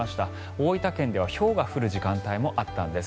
大分県ではひょうが降る時間帯もあったんです。